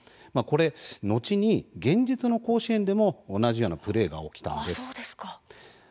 これ、後に現実の甲子園でも同じようなプレーが起きたんです。